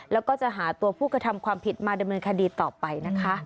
แล้วก็จะหาตัวผู้กระทำความผิดมาดำเนินคดีต่อไปนะคะ